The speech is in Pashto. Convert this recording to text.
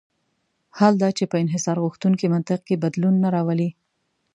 حال دا چې په انحصارغوښتونکي منطق کې بدلون نه راولي.